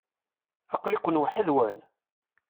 Aqli-ken weḥd-nwen?